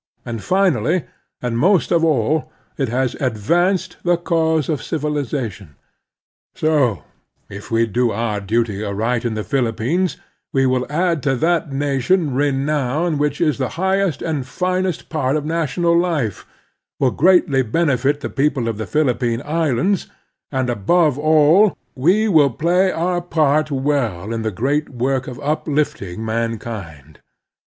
And finally, and most of all, it has advanced the cause N |[ of civilization. So, if we do our duty aright in the Philippines, we will add to that national renown which is the highest and finest part of national life, will greatly benefit the people of the Philippine Islands, and, above all, we will play our part well in the great work of uplifting man kind.